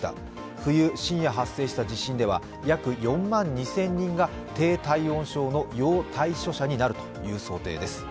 冬、深夜発生した地震では約４万２０００人が低体温症の要対処者になるという想定です。